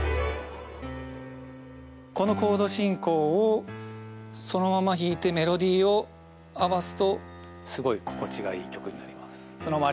このコード進行をそのまま弾いてメロディを合わすとすごい心地がいい曲になります